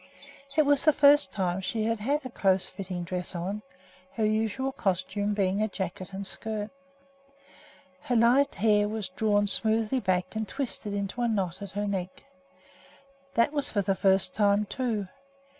It was the first time she had had a close fitting dress on, her usual costume being a jacket and skirt. Her light hair was drawn smoothly back and twisted into a knot at her neck. That was for the first time, too.